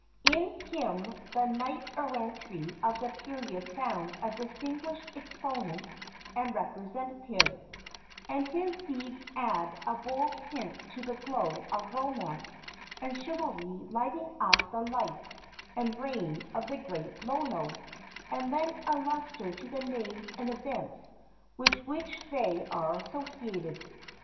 In him the knight errantry of the period found a distinguished exponent and representative, and his deeds add a bold tint to the glow of romance and chivalry lighting up the life and reign of the great Lono, and lend a lustre to the names and events with which they are associated.